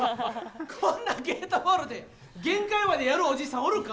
こんなゲートボールで限界までやるおじいさんおるか？